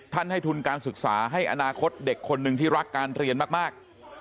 ให้ทุนการศึกษาให้อนาคตเด็กคนหนึ่งที่รักการเรียนมาก